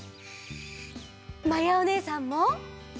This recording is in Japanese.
まやおねえさんも！